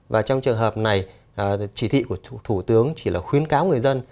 và trong trường hợp này chỉ thị của thủ tướng chỉ là khuyến cáo người dân